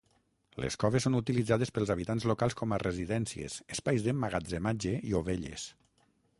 Les coves són utilitzades pels habitants locals com a residències, espais d'emmagatzematge i ovelles.